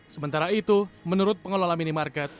sementara itu menurut pengelolaan